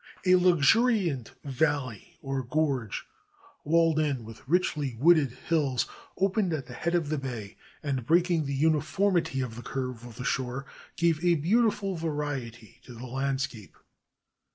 A luxuriant valley or gorge, walled in with richly wooded hills, opened at the head of the bay, and breaking the uniformity of the curve of the shore gave a beautiful variety to the landscape.